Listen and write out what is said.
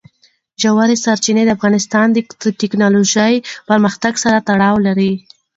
ژورې سرچینې د افغانستان د تکنالوژۍ پرمختګ سره تړاو لري.